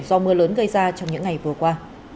do mưa lớn gây ra trong những ngày vừa qua